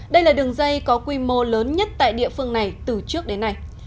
đây là đường dây có quy mô lớn nhất tại địa phương này từ trước đến nay